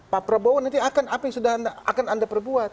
pak prabowo nanti akan apa yang sudah akan anda perbuat